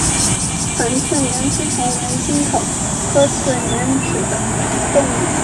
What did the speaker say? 鸻刺缘吸虫为棘口科刺缘属的动物。